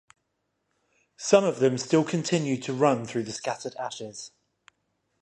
Some of them still continued to run through the scattered ashes.